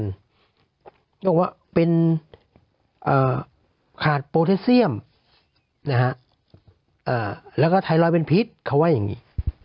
บอกว่าเป็นขาดโปรเทสเซียมนะฮะแล้วก็ไทรอยด์เป็นพิษเขาว่าอย่างนี้